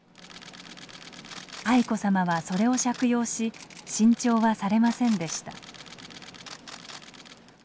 愛子さまはそれを借用し新調はされませんでした。